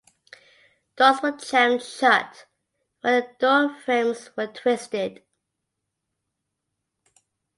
Doors were jammed shut when the door frames were twisted.